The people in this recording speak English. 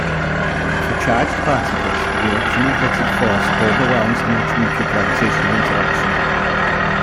For charged particles, the electromagnetic force overwhelms the much weaker gravitational interaction.